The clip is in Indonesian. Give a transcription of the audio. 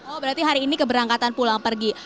oh berarti hari ini keberangkatan pulang pergi